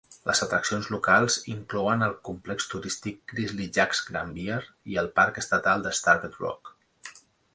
Les atraccions locals inclouen el complex turístic Grizzly Jack's Grand Bear i el parc estatal de Starved Rock.